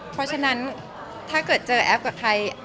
เพราะฉะนั้นถ้าเกิดเจอแอฟกับใคร